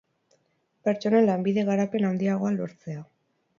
Pertsonen lanbide-garapen handiagoa lortzea